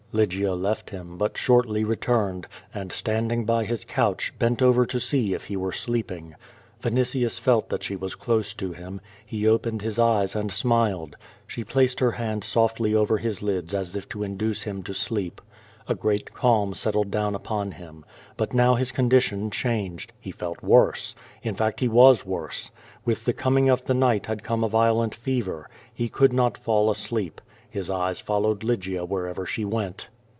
Lygia left him, but shortly returned, and, standing by his couch, bent over to see if he were sleeping. Vinitius felt that she was close to him. He opened his eyes and smiled. She placed her hand softly over his lids as if to induce him to sleep. A great calm settled down upon him. But now his condition changed. He felt worse. In fact, he was worse. With the coming of the night had come a violent fever. He could not fall asleep. His eyes followed Lygia wherever she went.